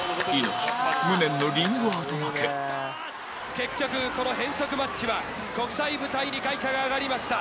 結局この変則マッチは国際部隊に凱歌が揚がりました。